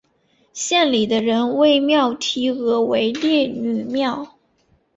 县里的人为庙题额为烈女庙。